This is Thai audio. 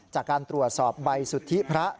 จากการตรวจสอบใบสุทธิพระ